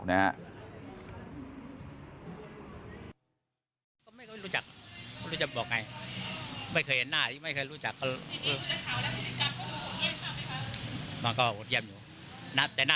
คุณผู้ชม